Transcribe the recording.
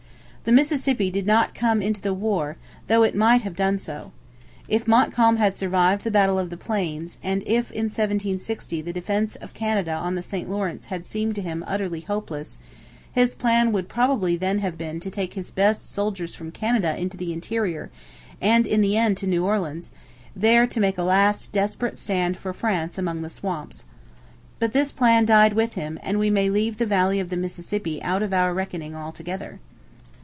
The Mississippi did not come into the war, though it might have done so. If Montcalm had survived the battle of the Plains, and if in 1760 the defence of Canada on the St Lawrence had seemed to him utterly hopeless, his plan would probably then have been to take his best soldiers from Canada into the interior, and in the end to New Orleans, there to make a last desperate stand for France among the swamps. But this plan died with him; and we may leave the valley of the Mississippi out of our reckoning altogether.